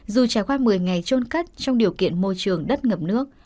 dù trải qua một mươi ngày trôn cất trong điều kiện môi trường đất ngập nước